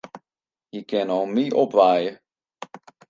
Hy kin om my opwaaie.